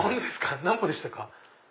何歩でしたか？